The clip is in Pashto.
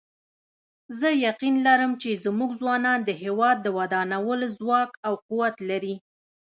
زه یقین لرم چې زموږ ځوانان د هیواد د ودانولو ځواک او قوت لري